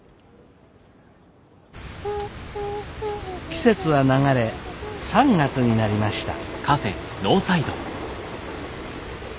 季節は流れ３月になりました。